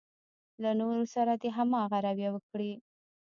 له نورو سره دې هماغه رويه وکړي.